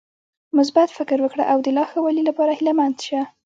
مثبت فکر وکړه او د لا ښوالي لپاره هيله مند شه .